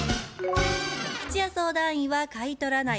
吉弥相談員は「買い取らない」